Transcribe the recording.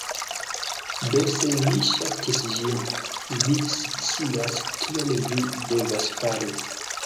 Do se vi ŝatis ĝin, vi scias kion vi devas fari